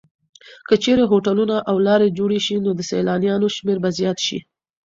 که چېرې هوټلونه او لارې جوړې شي نو د سېلانیانو شمېر به زیات شي.